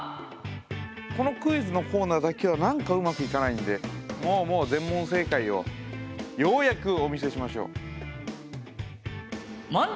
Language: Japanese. このクイズのコーナーだけは何かうまくいかないんでもうもう全問正解をようやくお見せしましょう。問題！